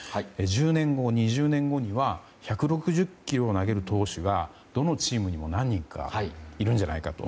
１０年後２０年後には１６０キロを出す投手がどのチームにもいるんじゃないかと。